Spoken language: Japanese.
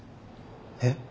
えっ？